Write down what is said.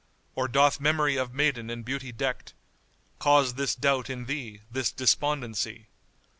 Or doth memory of maiden in beauty deckt * Cause this doubt in thee, this despondency?